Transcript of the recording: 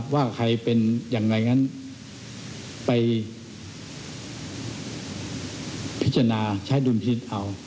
ว่าใครเป็นอย่างไรงั้นไปพิจารณาใช้ดุลพินิษฐ์เอา